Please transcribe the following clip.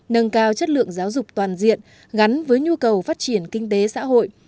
nâng cao chất lượng giáo dục toàn diện gắn với nhu cầu phát triển kinh tế xã hội